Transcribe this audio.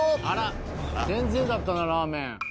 あら全然だったならー麺。